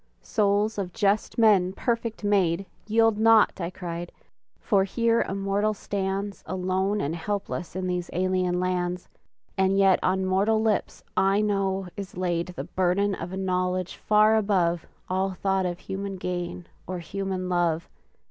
"Souls of just men perfect made," "Yield not," I cried, "for here a mortal stands "Alone and helpless in these alien lands; "And yet on mortal lips, I know, is laid "The burden of a knowledge far above "All thought of human gain or human love!"